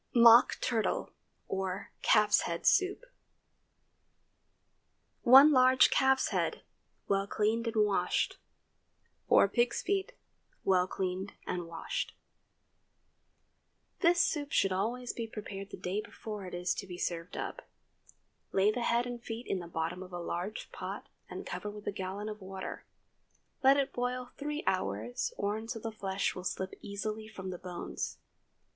MOCK TURTLE OR CALF'S HEAD SOUP. ✠ 1 large calf's head, well cleaned and washed. 4 pig's feet, well cleaned and washed. This soup should always be prepared the day before it is to be served up. Lay the head and feet in the bottom of a large pot, and cover with a gallon of water. Let it boil three hours, or until the flesh will slip easily from the bones.